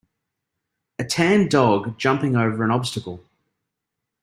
A tan dog jumping over an obstacle.